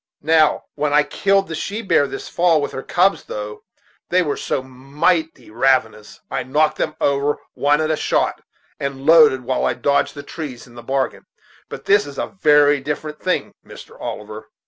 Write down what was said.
Now, when I killed the she bear this fall, with her cubs, though they were so mighty ravenous, I knocked them over one at a shot, and loaded while I dodged the trees in the bargain; but this is a very different thing, Mr. Oliver."